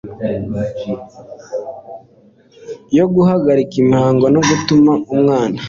yo guhagarika imihango no gutuma umwana